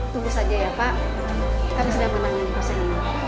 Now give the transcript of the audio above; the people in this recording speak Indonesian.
tunggu saja ya pak kami sudah memandang di pasien ini